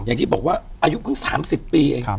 อย่างที่บอกว่าอายุเพิ่ง๓๐ปีเอง